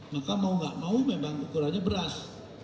maka mau nggak mau memang ukurannya beras